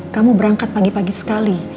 kamu berangkat pagi pagi sekali